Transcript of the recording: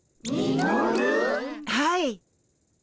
はい。